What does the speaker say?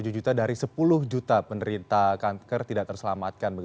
tujuh juta dari sepuluh juta penderita kanker tidak terselamatkan